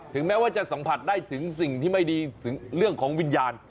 แม้ว่าจะสัมผัสได้ถึงสิ่งที่ไม่ดีถึงเรื่องของวิญญาณ